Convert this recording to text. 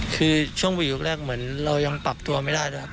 คือช่วงวีฟแรกเหมือนเรายังปรับตัวไม่ได้ด้วยครับ